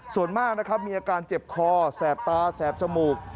ส่วนมากมีอาการเจ็บคอแสบตาแสบชมูก